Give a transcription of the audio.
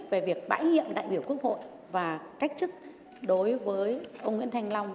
về việc bãi nhiệm đại biểu quốc hội và cách chức đối với ông nguyễn thanh long